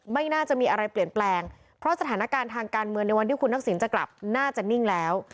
ไม่น่าจะมีอะไรเปลี่ยนแปลงเพราะสถานการณ์ทางการเมืองในวันที่คุณทักษิณจะกลับน่าจะนิ่งแล้ว